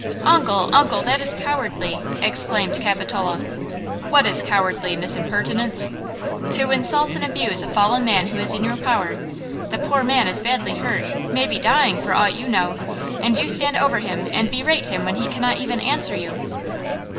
"Uncle! Uncle! that is cowardly!" exclaimed Capitola. "What is cowardly, Miss Impertinence?" "To insult and abuse a fallen man who is in your power! The poor man is badly hurt, may be dying, for aught you know, and you stand over him and berate him when he cannot even answer you!"